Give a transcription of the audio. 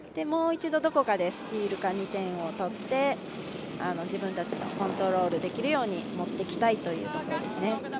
もう一度、どこかでスチールか２点を取って、自分たちがコントロールできるように持っていきたいというところです。